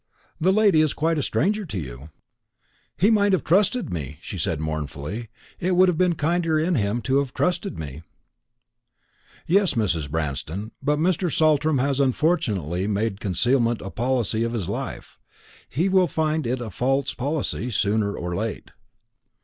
"The lady is quite a stranger to you." "He might have trusted me," she said mournfully; "it would have been kinder in him to have trusted me." "Yes, Mrs. Branston; but Mr. Saltram has unfortunately made concealment the policy of his life. He will find it a false policy sooner or late."